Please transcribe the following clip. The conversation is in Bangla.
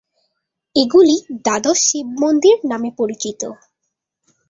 এগুলি দ্বাদশ শিবমন্দির নামে পরিচিত।